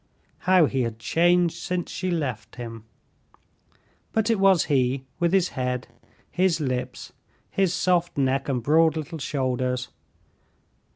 How he had changed since she left him! But it was he with his head, his lips, his soft neck and broad little shoulders.